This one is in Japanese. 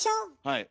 はい。